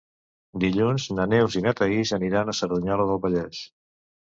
Dilluns na Neus i na Thaís aniran a Cerdanyola del Vallès.